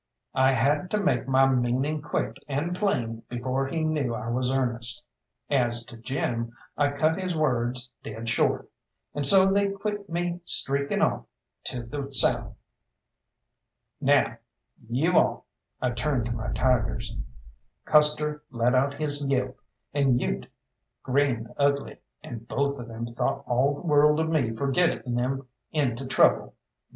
I had to make my meaning quick and plain before he knew I was earnest. As to Jim, I cut his words dead short and so they quit me streaking off to the south. "Now, you all!" I turned to my tigers. Custer let out his yelp, and Ute grinned ugly, and both of them thought all the world of me for getting them into trouble.